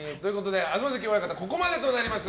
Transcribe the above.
東関親方、ここまでとなります。